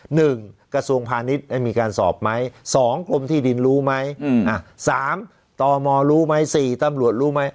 หนึ่งกระทรวงพาณิชย์ได้มีการสอบไหมสองกรมที่ดินรู้ไหมอืมอ่ะสามตมรู้ไหมสี่ตำรวจรู้ไหม